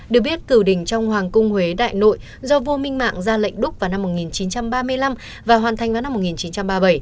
được biết cử đình trong hoàng cung huế đại nội do vua minh mạng ra lệnh đúc vào năm một nghìn chín trăm ba mươi năm và hoàn thành vào năm một nghìn chín trăm ba mươi bảy